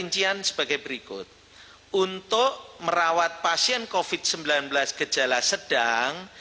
rincian sebagai berikut untuk merawat pasien covid sembilan belas gejala sedang